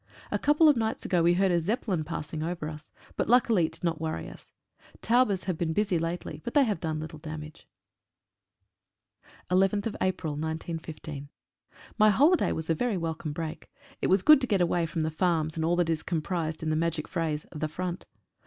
A couple of nights ago we heard a Zeppelin passing over us, but luckily it did not worry us. Taubes have been busier lately, but they have done little damage. (After a week of leave spent in Great Britain.) Y holiday was a very welcome break. It was good to get away from the farms and all that is com prised in that magic phrase, "The Front."